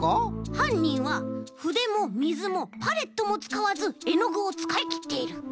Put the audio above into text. はんにんはふでもみずもパレットもつかわずえのぐをつかいきっている。